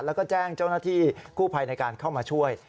แล้วก็แจ้งเจ้าหน้าที่กู้ภัยในการเข้ามาช่วย